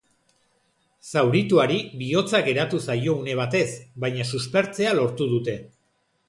Zaurituari bihotza geratu zaio une batez, baina suspertzea lortu dute.